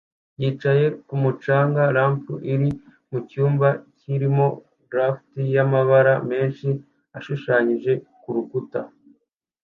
yicaye kumu canga ramp iri mucyumba kirimo graffti y'amabara menshi ashushanyije kurukuta